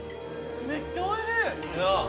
めっちゃおいしい。